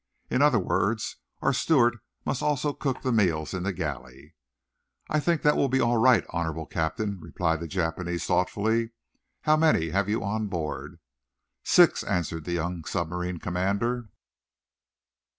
In other words, our steward must also cook the meals in the galley." "I think that will be all right, honorable Captain," replied the Japanese, thoughtfully. "How many have you on board?" "Six," answered the young submarine commander.